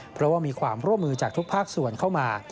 เพราะว่ามีความร่วมมือจากทุกภาคส่วนเข้ามา